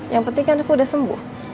yang penting kan aku udah sembuh